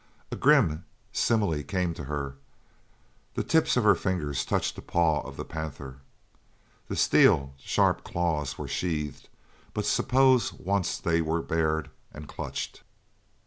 A grim simile came to her; the tips of her fingers touched the paw of the panther. The steel sharp claws were sheathed, but suppose once they were bared, and clutched.